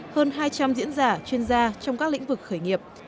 hơn hai trăm linh diễn giả chuyên gia trong các lĩnh vực khởi nghiệp